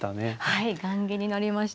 はい雁木になりました。